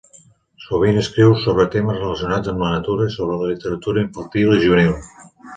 Sovint escriu sobre temes relacionats amb la natura i sobre literatura infantil i juvenil.